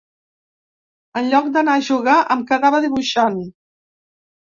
En lloc d’anar a jugar em quedava dibuixant.